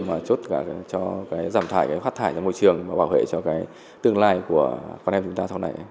mà tốt cho giảm thải phát thải cho môi trường và bảo hệ cho tương lai của con em chúng ta